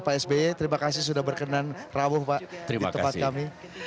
pak sby terima kasih sudah berkenan rabu pak di tempat kami